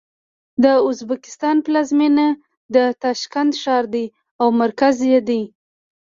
د ازبکستان پلازمېنه د تاشکند ښار دی او مرکز یې دی.